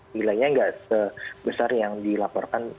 nilainya enggak sebesar yang dilaporkan dahulu nya